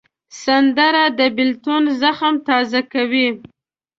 سندره د بېلتون زخم تازه کوي